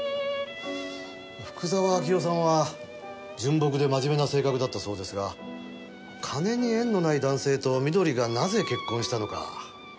福沢明夫さんは純朴で真面目な性格だったそうですが金に縁のない男性と美登里がなぜ結婚したのか。